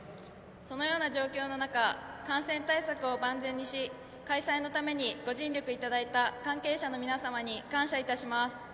そのような状況の中感染対策を万全にし開催のためにご尽力いただいた関係者の皆様に感謝いたします。